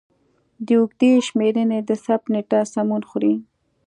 د اوږدې شمېرنې د ثبت نېټه سمون خوري.